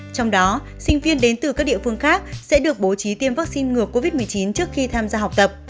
trong đó sinh viên đến từ các địa phương khác sẽ được bố trí tiêm vaccine ngừa covid một mươi chín trước khi tham gia học tập